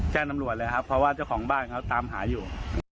แจ้งตำรวจเลยครับเพราะว่าเจ้าของบ้านเขาตามหาอยู่